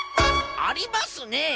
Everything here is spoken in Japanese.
ありますね